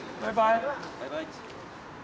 バイバイ。